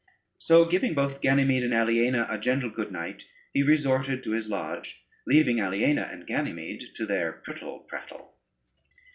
So giving both Ganymede and Aliena a gentle good night, he resorted to his lodge, leaving Aliena and Ganymede to their prittle prattle.